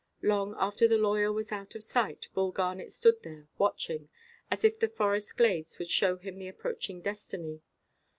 Long after the lawyer was out of sight, Bull Garnet stood there watching, as if the forest glades would show him the approaching destiny.